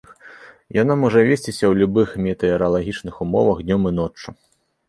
Яна можа весціся ў любых метэаралагічных умовах днём і ноччу.